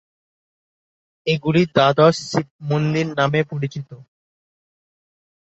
এগুলি দ্বাদশ শিবমন্দির নামে পরিচিত।